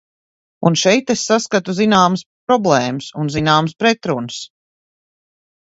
Un šeit es saskatu zināmas problēmas un zināmas pretrunas.